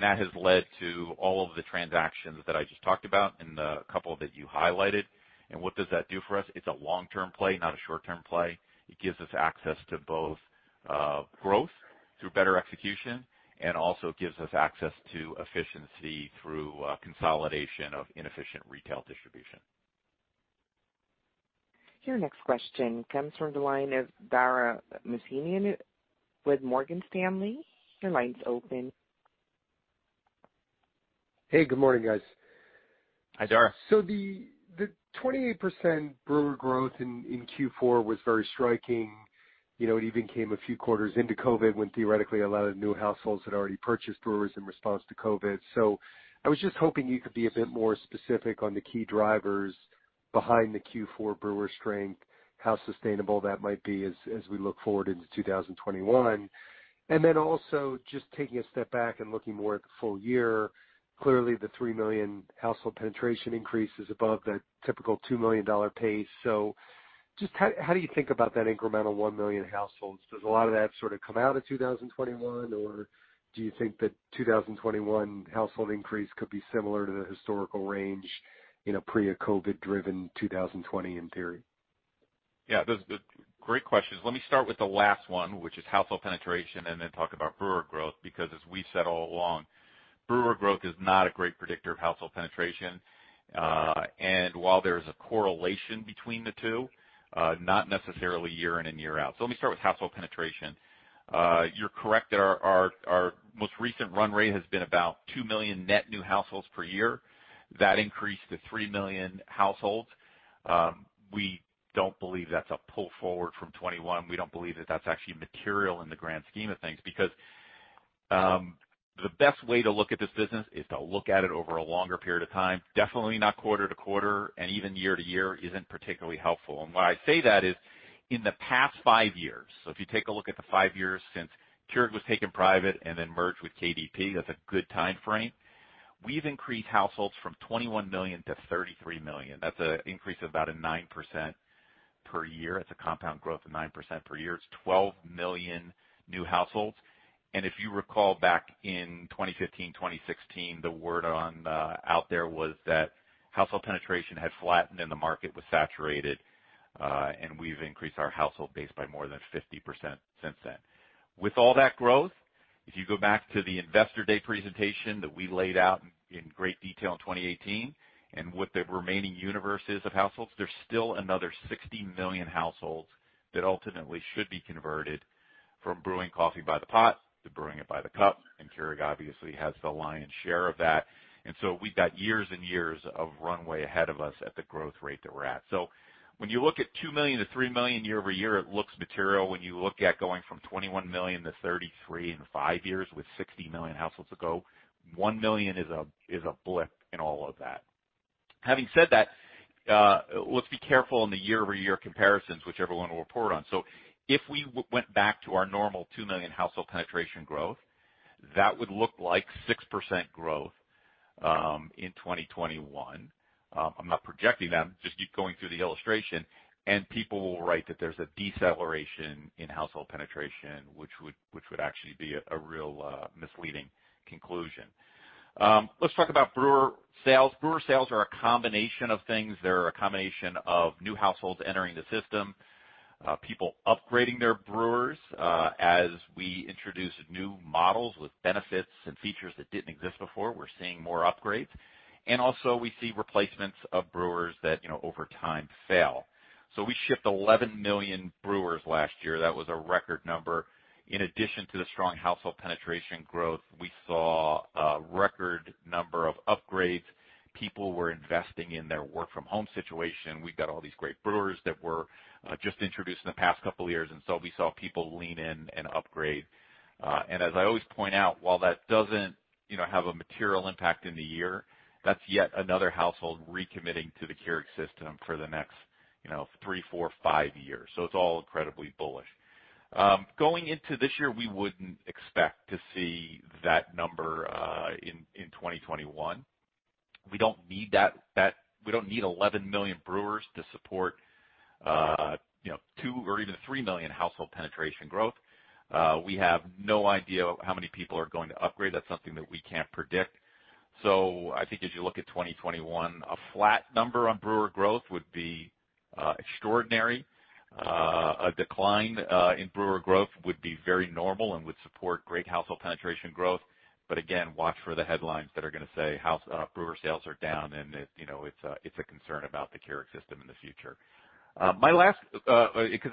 That has led to all of the transactions that I just talked about and the couple that you highlighted. What does that do for us? It's a long-term play, not a short-term play. It gives us access to both growth through better execution and also gives us access to efficiency through consolidation of inefficient retail distribution. Your next question comes from the line of Dara Mohsenian with Morgan Stanley. Hey, good morning, guys. Hi, Dara. The 28% brewer growth in Q4 was very striking. It even came a few quarters into COVID, when theoretically a lot of new households had already purchased brewers in response to COVID. I was just hoping you could be a bit more specific on the key drivers behind the Q4 brewer strength, how sustainable that might be as we look forward into 2021. Taking a step back and looking more at the full year, clearly the 3 million household penetration increase is above the typical $2 million pace. Just how do you think about that incremental 1 million households? Does a lot of that sort of come out of 2021, or do you think that 2021 household increase could be similar to the historical range, pre a COVID-driven 2020, in theory? Yeah. Those are great questions. Let me start with the last one, which is household penetration, and then talk about brewer growth, because as we've said all along, brewer growth is not a great predictor of household penetration. While there's a correlation between the two, not necessarily year in and year out. Let me start with household penetration. You're correct that our most recent run rate has been about two million net new households per year. That increased to three million households. We don't believe that's a pull forward from 2021. We don't believe that that's actually material in the grand scheme of things, because the best way to look at this business is to look at it over a longer period of time, definitely not quarter-to-quarter, and even year-to-year isn't particularly helpful. Why I say that is in the past five years, so if you take a look at the five years since Keurig was taken private and then merged with KDP, that's a good time frame. We've increased households from 21 million-33 million. That's an increase of about 9% per year. That's a compound growth of 9% per year. It's 12 million new households. If you recall back in 2015, 2016, the word out there was that household penetration had flattened and the market was saturated. We've increased our household base by more than 50% since then. With all that growth, if you go back to the Investor Day presentation that we laid out in great detail in 2018, and what the remaining universe is of households, there's still another 60 million households that ultimately should be converted from brewing coffee by the pot to brewing it by the cup. Keurig obviously has the lion's share of that. We've got years and years of runway ahead of us at the growth rate that we're at. When you look at two million to three million year-over-year, it looks material. When you look at going from 21 million to 33 in five years with 60 million households to go, one million is a blip in all of that. Having said that, let's be careful on the year-over-year comparisons, which everyone will report on. If we went back to our normal 2 million household penetration growth, that would look like 6% growth in 2021. I am not projecting that, I am just going through the illustration. People will write that there is a deceleration in household penetration, which would actually be a real misleading conclusion. Let's talk about brewer sales. Brewer sales are a combination of things. They are a combination of new households entering the system, people upgrading their brewers. As we introduce new models with benefits and features that did not exist before, we are seeing more upgrades. Also we see replacements of brewers that over time fail. We shipped 11 million brewers last year. That was a record number. In addition to the strong household penetration growth, we saw a record number of upgrades. People were investing in their work from home situation. We've got all these great brewers that were just introduced in the past couple of years, and so we saw people lean in and upgrade. As I always point out, while that doesn't have a material impact in the year, that's yet another household recommitting to the Keurig system for the next three, four, five years. It's all incredibly bullish. Going into this year, we wouldn't expect to see that number in 2021. We don't need 11 million brewers to support two or even three million household penetration growth. We have no idea how many people are going to upgrade. That's something that we can't predict. I think as you look at 2021, a flat number on brewer growth would be extraordinary. A decline in brewer growth would be very normal and would support great household penetration growth. Again, watch for the headlines that are going to say brewer sales are down, and it's a concern about the Keurig system in the future. Because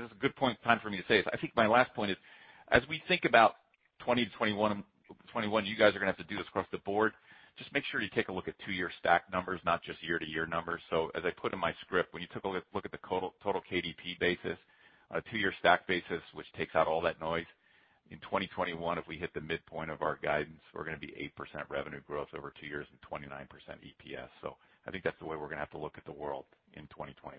it's a good time for me to say this, I think my last point is, as we think about 2021, you guys are going to have to do this across the board. Just make sure you take a look at two-year stack numbers, not just year-to-year numbers. As I put in my script, when you took a look at the total KDP basis on a two-year stack basis, which takes out all that noise, in 2021, if we hit the midpoint of our guidance, we're going to be 8% revenue growth over two years and 29% EPS. I think that's the way we're going to have to look at the world in 2021.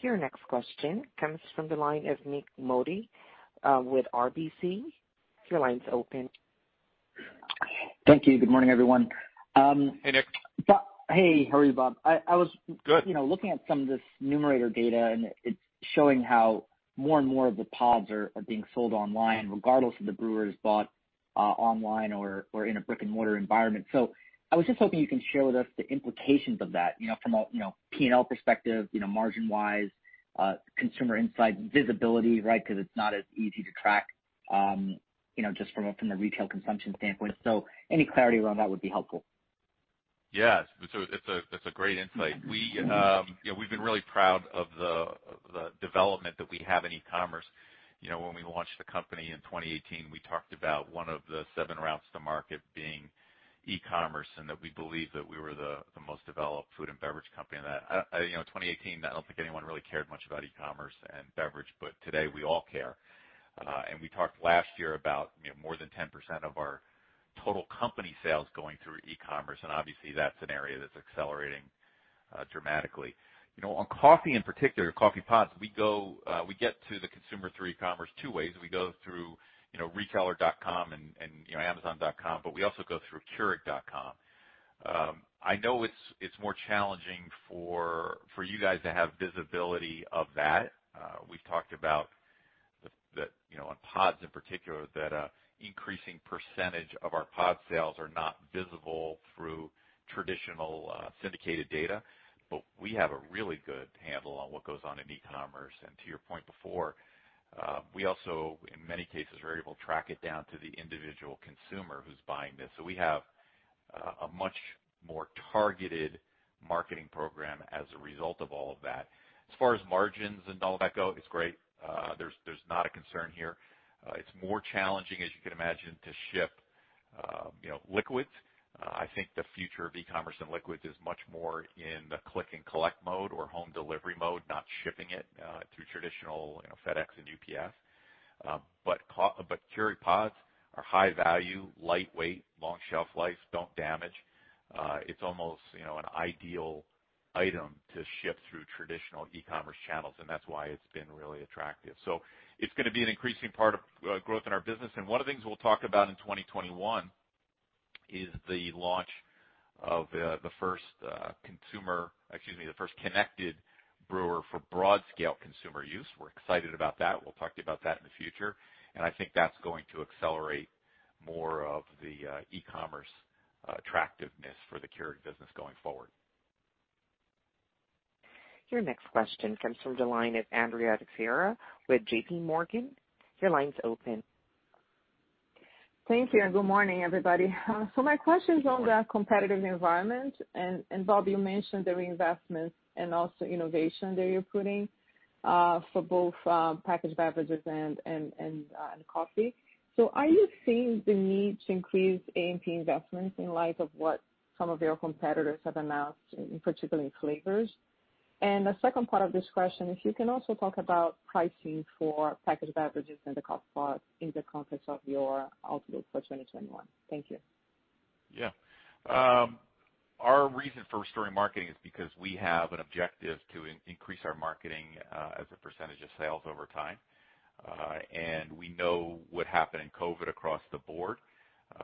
Your next question comes from the line of Nik Modi with RBC. Your line's open. Thank you. Good morning, everyone. Hey, Nik. Hey, how are you, Bob? Good. Looking at some of this numerator data, and it's showing how more and more of the pods are being sold online, regardless if the brewer is bought online or in a brick-and-mortar environment. I was just hoping you can share with us the implications of that from a P&L perspective, margin-wise, consumer insight visibility, right? Because it's not as easy to track just from the retail consumption standpoint. Any clarity around that would be helpful. Yes. It's a great insight. We've been really proud of the development that we have in e-commerce. When we launched the company in 2018, we talked about one of the seven routes to market being e-commerce, and that we believe that we were the most developed food and beverage company. In 2018, I don't think anyone really cared much about e-commerce and beverage, but today we all care. We talked last year about more than 10% of our total company sales going through e-commerce, and obviously that's an area that's accelerating dramatically. On coffee in particular, coffee pods, we get to the consumer through e-commerce two ways. We go through retailer.com and amazon.com, but we also go through keurig.com. I know it's more challenging for you guys to have visibility of that. We've talked about on pods in particular, that increasing percentage of our pod sales are not visible through traditional syndicated data. We have a really good handle on what goes on in e-commerce. To your point before, we also, in many cases, are able to track it down to the individual consumer who's buying this. We have a much more targeted marketing program as a result of all of that. As far as margins and all that go, it's great. There's not a concern here. It's more challenging, as you can imagine, to ship liquids. I think the future of e-commerce and liquids is much more in the click and collect mode or home delivery mode, not shipping it through traditional FedEx and UPS. Keurig pods are high value, lightweight, long shelf life, don't damage. It's almost an ideal item to ship through traditional e-commerce channels, and that's why it's been really attractive. It's gonna be an increasing part of growth in our business, and one of the things we'll talk about in 2021 is the launch of the first connected brewer for broad scale consumer use. We're excited about that. We'll talk to you about that in the future, and I think that's going to accelerate more of the e-commerce attractiveness for the Keurig business going forward. Your next question comes from the line of Andrea Teixeira with JPMorgan. Your line's open. Thank you, and good morning, everybody. My question is on the competitive environment. Bob, you mentioned the reinvestments and also innovation that you're putting for both packaged beverages and coffee. Are you seeing the need to increase A&P investments in light of what some of your competitors have announced, particularly in flavors? The second part of this question, if you can also talk about pricing for packaged beverages and the coffee pods in the context of your outlook for 2021. Thank you. Yeah. Our reason for restoring marketing is because we have an objective to increase our marketing as a percentage of sales over time. We know what happened in COVID across the board.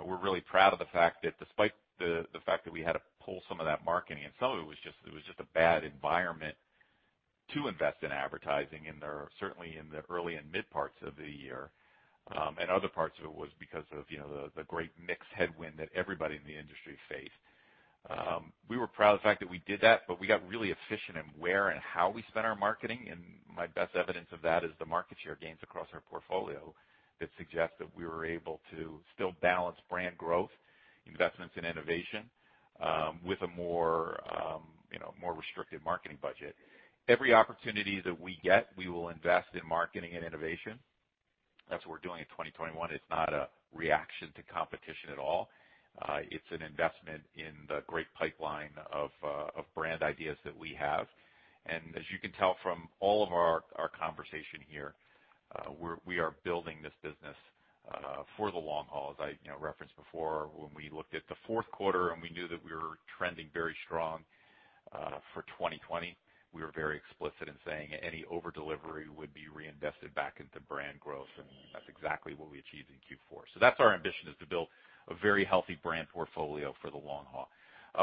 We're really proud of the fact that despite the fact that we had to pull some of that marketing, and some of it was just a bad environment to invest in advertising, certainly in the early and mid parts of the year. Other parts of it was because of the great mix headwind that everybody in the industry faced. We were proud of the fact that we did that, but we got really efficient in where and how we spent our marketing, and my best evidence of that is the market share gains across our portfolio that suggest that we were able to still balance brand growth, investments in innovation, with a more restricted marketing budget. Every opportunity that we get, we will invest in marketing and innovation. That's what we're doing in 2021. It's not a reaction to competition at all. It's an investment in the great pipeline of brand ideas that we have. As you can tell from all of our conversation here. We are building this business for the long haul. As I referenced before, when we looked at the fourth quarter and we knew that we were trending very strong for 2020, we were very explicit in saying any over-delivery would be reinvested back into brand growth, and that's exactly what we achieved in Q4. That's our ambition, is to build a very healthy brand portfolio for the long haul.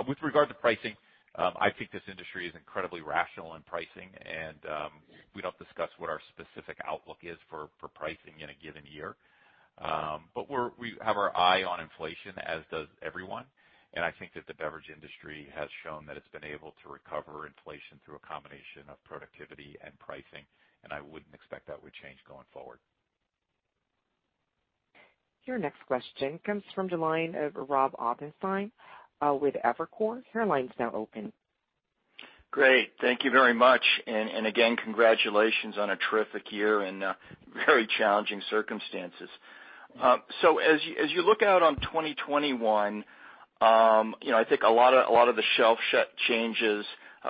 With regard to pricing, I think this industry is incredibly rational in pricing, and we don't discuss what our specific outlook is for pricing in a given year. We have our eye on inflation, as does everyone. I think that the beverage industry has shown that it's been able to recover inflation through a combination of productivity and pricing, and I wouldn't expect that would change going forward. Your next question comes from the line of Rob Ottenstein with Evercore. Your line's now open. Great. Thank you very much. Again, congratulations on a terrific year in very challenging circumstances. As you look out on 2021, I think a lot of the shelf changes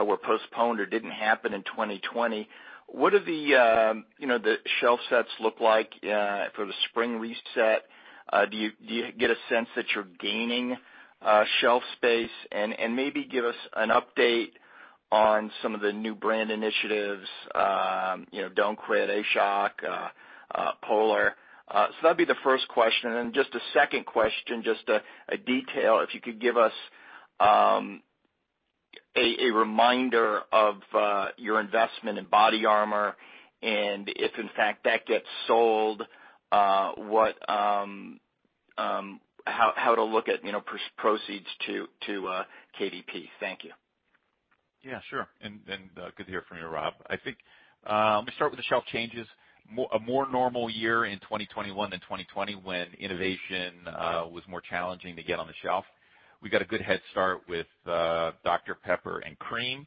were postponed or didn't happen in 2020. What do the shelf sets look like for the spring reset? Do you get a sense that you're gaining shelf space? Maybe give us an update on some of the new brand initiatives, Don't Quit!, A SHOC, Polar. That'd be the first question. Just a second question, just a detail. If you could give us a reminder of your investment in BODYARMOR, if in fact that gets sold, how to look at proceeds to KDP. Thank you. Yeah, sure. Good to hear from you, Rob. I think I'm going to start with the shelf changes. A more normal year in 2021 than 2020 when innovation was more challenging to get on the shelf. We got a good head start with Dr Pepper and Cream,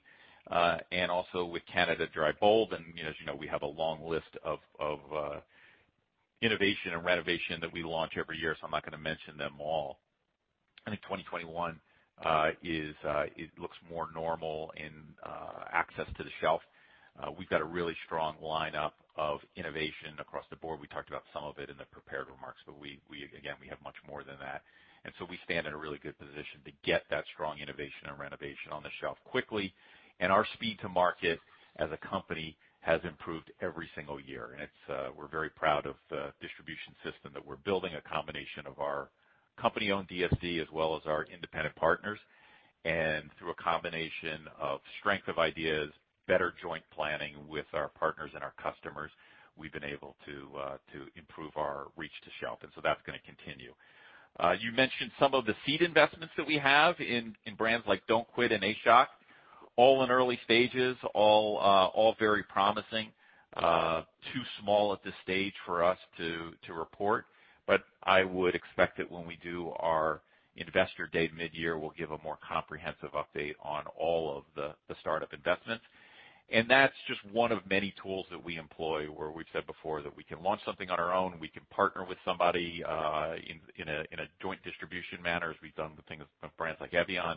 and also with Canada Dry Bold. As you know, we have a long list of innovation and renovation that we launch every year, so I'm not going to mention them all. I think 2021 looks more normal in access to the shelf. We've got a really strong lineup of innovation across the board. We talked about some of it in the prepared remarks, but again, we have much more than that. We stand in a really good position to get that strong innovation and renovation on the shelf quickly. Our speed to market as a company has improved every single year. We're very proud of the distribution system that we're building, a combination of our company-owned DSD as well as our independent partners. Through a combination of strength of ideas, better joint planning with our partners and our customers, we've been able to improve our reach to shelf. That's going to continue. You mentioned some of the seed investments that we have in brands like Don't Quit! and A SHOC. All in early stages, all very promising. Too small at this stage for us to report, but I would expect that when we do our investor day mid-year, we'll give a more comprehensive update on all of the startup investments. That's just one of many tools that we employ where we've said before that we can launch something on our own, we can partner with somebody in a joint distribution manner, as we've done with brands like Evian.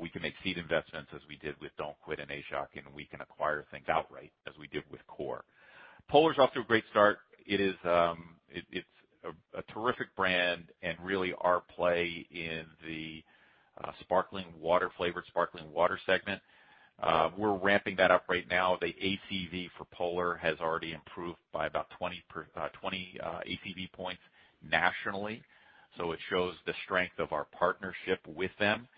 We can make seed investments as we did with Don't Quit! and A SHOC, and we can acquire things outright, as we did with CORE. Polar's off to a great start. It's a terrific brand and really our play in the flavored sparkling water segment. We're ramping that up right now. The ACV for Polar has already improved by about 20 ACV points nationally, so it shows the strength of our partnership with them.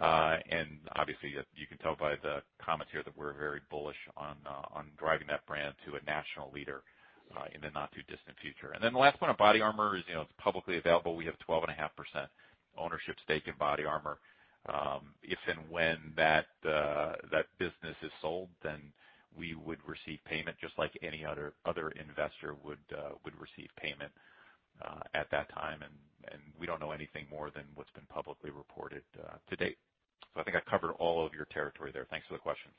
Obviously, you can tell by the comments here that we're very bullish on driving that brand to a national leader in the not-too-distant future. The last one on BODYARMOR is, it's publicly available. We have 12.5% ownership stake in BODYARMOR. If and when that business is sold, we would receive payment just like any other investor would receive payment at that time. We don't know anything more than what's been publicly reported to date. I think I covered all of your territory there. Thanks for the question.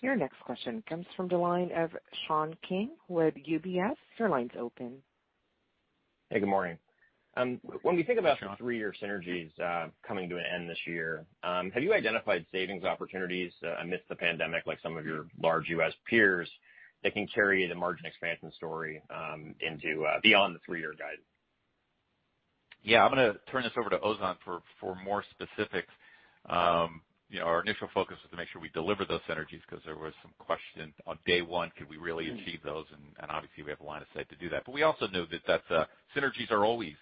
Your next question comes from the line of Sean King with UBS. Your line's open. Hey, good morning. When we think about Hi, Sean. Three-year synergies coming to an end this year, have you identified savings opportunities amidst the pandemic, like some of your large U.S. peers, that can carry the margin expansion story beyond the three-year guide? Yeah. I'm going to turn this over to Ozan for more specifics. Our initial focus was to make sure we deliver those synergies because there was some question on day one, could we really achieve those? Obviously, we have a line of sight to do that. We also knew that synergies are always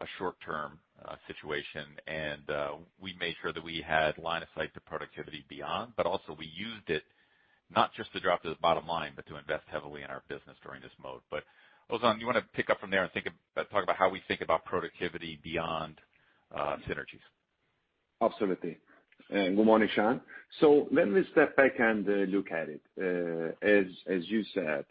a short-term situation, and we made sure that we had line of sight to productivity beyond, but also we used it not just to drop to the bottom line, but to invest heavily in our business during this mode. Ozan, you want to pick up from there and talk about how we think about productivity beyond synergies? Absolutely. Good morning, Sean. Let me step back and look at it. As you said,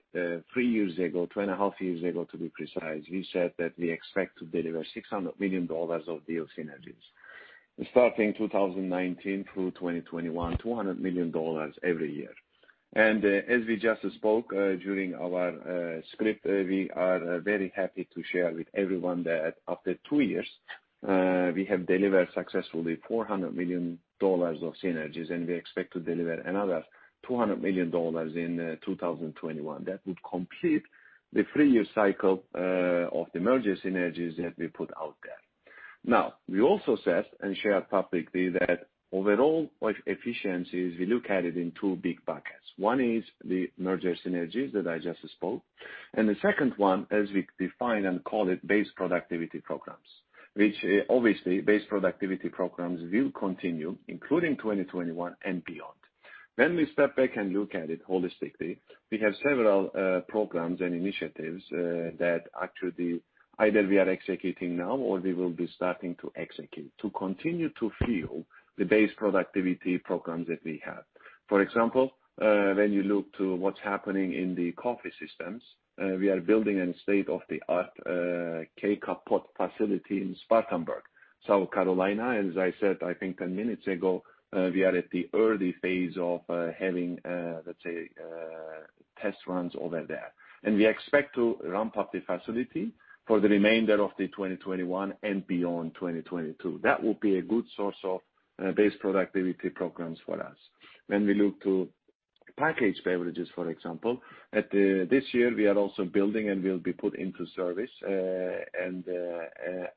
three years ago, two and a half years ago to be precise, we said that we expect to deliver $600 million of deal synergies, starting 2019 through 2021, $200 million every year. As we just spoke during our script, we are very happy to share with everyone that after two years, we have delivered successfully $400 million of synergies, and we expect to deliver another $200 million in 2021. That would complete the three-year cycle of the merger synergies that we put out there. We also said and shared publicly that overall efficiencies, we look at it in two big buckets. One is the merger synergies that I just spoke, and the second one, as we define and call it, base productivity programs, which obviously base productivity programs will continue, including 2021 and beyond. When we step back and look at it holistically, we have several programs and initiatives that actually either we are executing now or we will be starting to execute to continue to fuel the base productivity programs that we have. For example, when you look to what's happening in the coffee systems, we are building a state-of-the-art K-Cup pod facility in Spartanburg, South Carolina. As I said, I think 10 minutes ago, we are at the early phase of having, let's say, test runs over there. We expect to ramp up the facility for the remainder of the 2021 and beyond 2022. That will be a good source of base productivity programs for us. When we look to packaged beverages, for example, at this year, we are also building and will be put into service in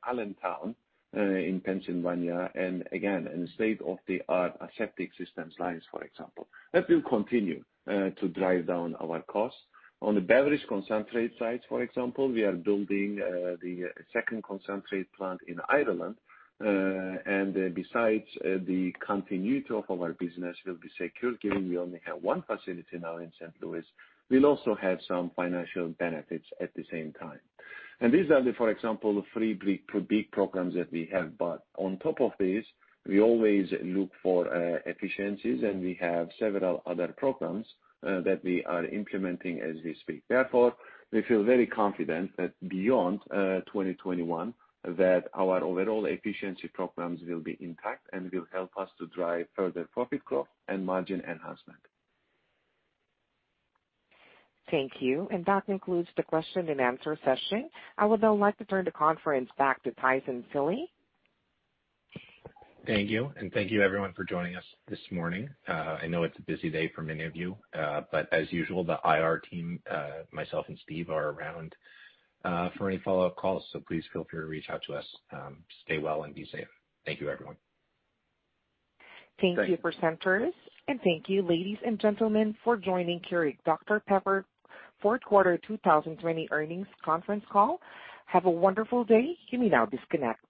Allentown in Pennsylvania, and again, a state-of-the-art aseptic systems lines, for example. That will continue to drive down our costs. On the beverage concentrate sites, for example, we are building the second concentrate plant in Ireland. Besides the continuity of our business will be secure, given we only have one facility now in St. Louis. We'll also have some financial benefits at the same time. These are the, for example, three big programs that we have. On top of this, we always look for efficiencies, and we have several other programs that we are implementing as we speak. Therefore, we feel very confident that beyond 2021, that our overall efficiency programs will be intact and will help us to drive further profit growth and margin enhancement. Thank you. That concludes the question-and-answer session. I would like to turn the conference back to Tyson Seely. Thank you. Thank you, everyone, for joining us this morning. I know it's a busy day for many of you. As usual, the IR team, myself, and Steve are around for any follow-up calls. Please feel free to reach out to us. Stay well and be safe. Thank you, everyone. Thank you, presenters. Thank you, ladies and gentlemen, for joining Keurig Dr Pepper fourth quarter 2020 earnings conference call. Have a wonderful day. You may now disconnect.